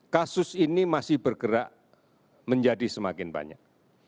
kasus ini masih bergerak menjadi semakin banyak